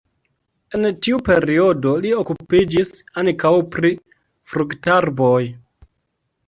En tiu periodo li okupiĝis ankaŭ pri fruktarboj.